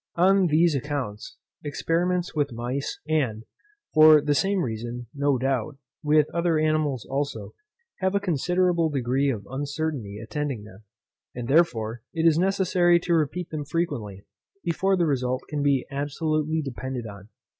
On these accounts, experiments with mice, and, for the same reason, no doubt, with other animals also, have a considerable degree of uncertainty attending them; and therefore, it is necessary to repeat them frequently, before the result can be absolutely depended upon.